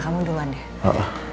bikin duluan deh